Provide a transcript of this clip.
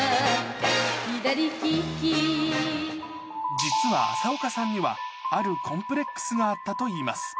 実は麻丘さんには、あるコンプレックスがあったといいます。